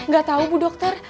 gak tau bu dokter